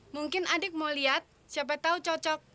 mungkin adik mau lihat siapa tahu cocok